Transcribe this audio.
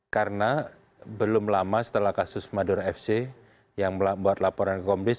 karena belum lama setelah kasus madur fc yang membuat laporan ke komdis